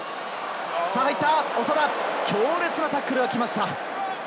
長田、強烈なタックルが来ました。